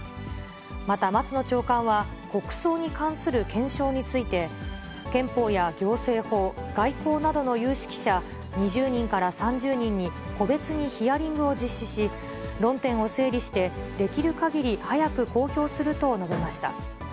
また、松野長官は国葬に関する検証について、憲法や行政法、外交などの有識者２０人から３０人に個別にヒアリングを実施し、論点を整理して、できるかぎり早く公表すると述べました。